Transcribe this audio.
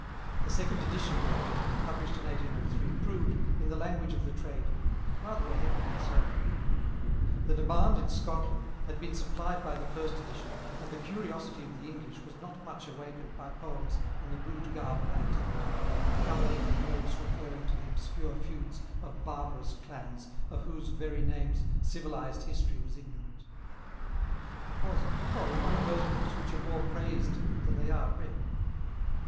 The second edition of that work, published in 1803, proved, in the language of the trade, rather a heavy concern.' The demand in Scotland had been supplied by the first edition, and the curiosity of the English was not much awakened by poems in the rude garb of antiquity, accompanied with notes referring to the obscure feuds of barbarous clans, of whose very names civilised history was ignorant It was, on the whole, one of those books which are more praised than they are read.